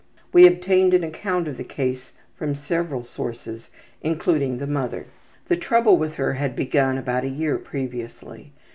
We obtained an account of the case from several sources, including the mother. The trouble with her had begun about a year previously.